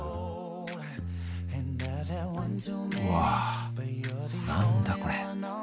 うわ何だこれ。